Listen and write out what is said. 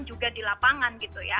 juga di lapangan